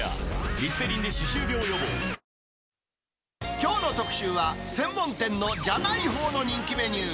きょうの特集は、専門店のじゃないほうの人気メニュー。